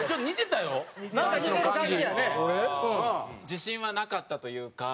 自信はなかったというか。